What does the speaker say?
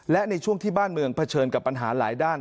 และในช่วงที่บ้านเมืองเผชิญกับปัญหาหลายด้าน